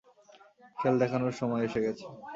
খেল দেখানোর সময় এসে গেছে!